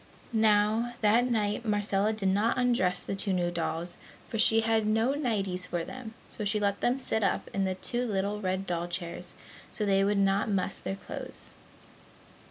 Now, that night Marcella did not undress the two new dolls, for she had no nighties for them, so she let them sit up in the two little red doll chairs so they would not muss their clothes.